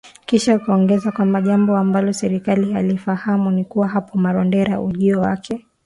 Kisha akaongeza kwamba jambo ambalo serikali hailifahamu ni kuwa hapa Marondera, ujio wake unatosha”